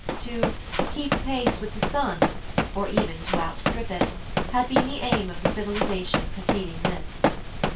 To 'keep pace with the sun,' or even to outstrip it, had been the aim of the civilization preceding this.